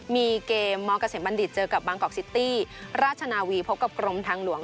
มีเกมมเกษมบัณฑิตเจอกับบางกอกซิตี้ราชนาวีพบกับกรมทางหลวง